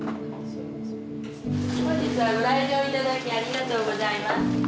本日はご来場頂きありがとうございます。